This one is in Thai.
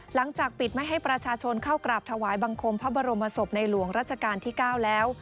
หลังจากปิดไม่ให้ประชาชนเข้ากราบถวายบังคมพระบรมศพในหลวงรัชกาลที่๙แล้ว